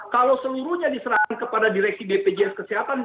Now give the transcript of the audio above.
kalau seluruhnya diserahkan kepada direksi bpjs kesehatan